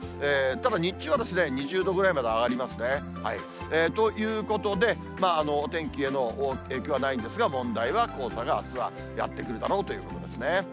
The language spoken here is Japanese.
ただ日中は、２０度ぐらいまで上がりますね。ということで、お天気への影響はないんですが、問題は黄砂があすはやって来るだろうということですね。